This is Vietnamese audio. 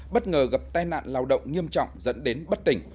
bất ngờ gặp tai nạn lao động nghiêm trọng dẫn đến bất tỉnh